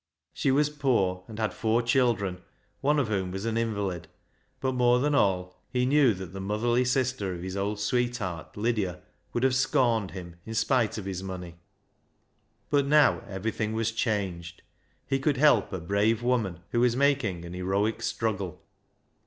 She was poor, and had four children, one of whom was an invalid, but more than all he knew that the motherly sister of his old sweetheart, Lydia, would have scorned him in spite of his money. But now everything was changed. He could help a brave woman who was making an heroic struggle.